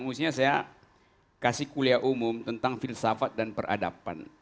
mestinya saya kasih kuliah umum tentang filsafat dan peradaban